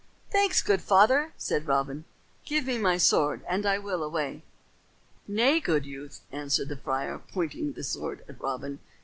"Thanks, good father," said Robin. "Give me my sword, and I will away." "Nay, good youth," answered the friar, pointing the sword at Robin.